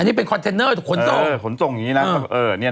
อันนี้เป็นล่ะที่หาที่